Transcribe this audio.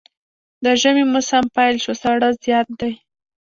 د ژمي موسم پيل شو ساړه زيات دی